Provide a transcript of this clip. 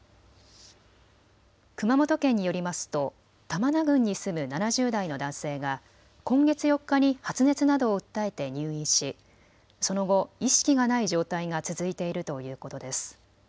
熊本県によりますと玉名郡に住む７０代の男性が今月４日に発熱などを訴えて入院しその後、意識がない状態が続いているということです。